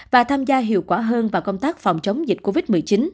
và tham gia hiệu quả hơn vào công tác phòng chống dịch covid một mươi chín